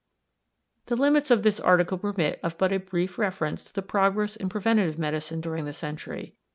The limits of this article permit of but a brief reference to the progress in preventive medicine during the century.